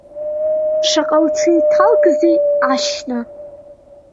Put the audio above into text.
Шаҟа лҽеиҭалкзеи Ашьна?!